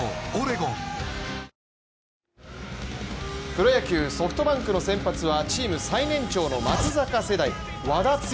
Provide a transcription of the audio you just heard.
プロ野球、ソフトバンクの先発はチーム最年長の松坂世代・和田毅。